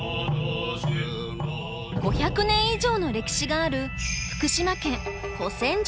５００年以上の歴史がある福島県保泉寺のご住職。